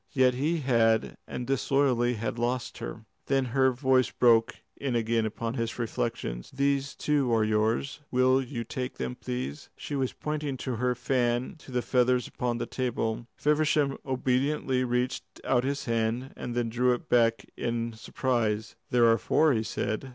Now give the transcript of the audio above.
Yet he had, and disloyally had lost her. Then her voice broke in again upon his reflections. "These, too, are yours. Will you take them, please?" She was pointing with her fan to the feathers upon the table. Feversham obediently reached out his hand, and then drew it back in surprise. "There are four," he said.